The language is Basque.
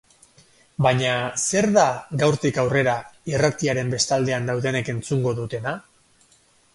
Baina zer da, gaurtik aurrera, irratiaren bestaldean daudenek entzungo dutena?